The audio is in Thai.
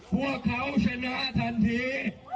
พวกเขาชนะทันที